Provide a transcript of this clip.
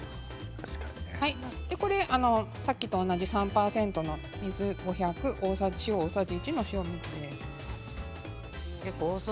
さっきと同じ３％の水５００塩大さじ１の塩水です。